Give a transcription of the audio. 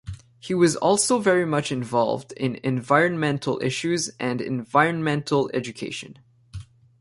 He was also very much involved in environmental issues and environmental education.